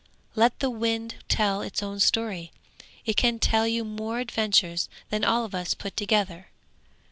Let the wind tell its own story! It can tell you more adventures than all of us put together.